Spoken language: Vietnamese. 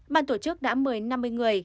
ban tổ chức đã mời năm mươi người